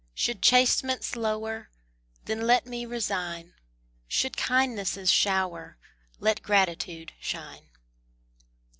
Should chastisements lower, Then let me resign; Should kindnesses shower, Let gratitude shine.